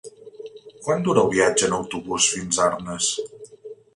Quant dura el viatge en autobús fins a Arnes?